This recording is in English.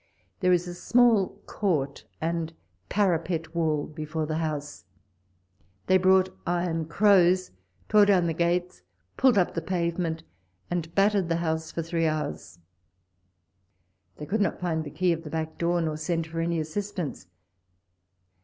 There is a small court and parapet wall before the house : they brought iron crows, tore down the gates, pulled up the pavement, and battered the house for three hours. They could not find the key of the back door, nor send for any assistance.